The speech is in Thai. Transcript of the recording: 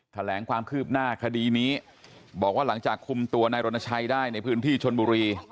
แถลงความคืบหน้าคดีนี้บอกว่าหลังจากคุมตัวนายรณชัยได้ในพื้นที่ชนบุรี